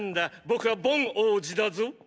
僕はボン王子だぞ。